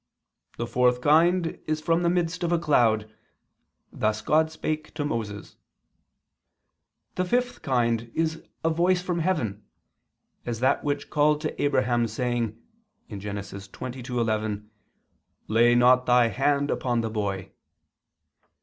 The fourth kind is from the midst of a cloud: thus God spake to Moses. The fifth kind is a voice from heaven, as that which called to Abraham saying (Gen. 22:11): 'Lay not thy hand upon the boy.'